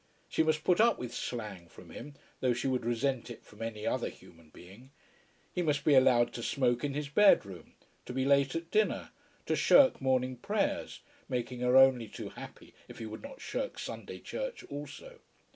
She must put up with slang from him, though she would resent it from any other human being. He must be allowed to smoke in his bed room, to be late at dinner, to shirk morning prayers, making her only too happy if he would not shirk Sunday church also.